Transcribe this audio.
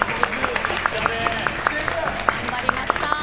頑張りました。